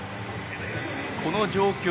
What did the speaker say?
この状況